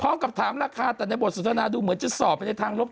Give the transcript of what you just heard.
ถามกับถามราคาแต่ในบทสนทนาดูเหมือนจะสอบไปในทางลบ